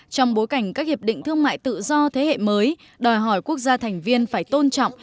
trong bối cảnh các hiệp định thương mại tự do thế hệ mới đòi hỏi quốc gia thành viên phải tôn trọng